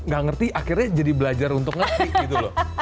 gak ngerti akhirnya jadi belajar untuk ngerti gitu loh